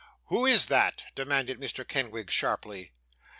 'Who is that?' demanded Mr. Kenwigs, sharply.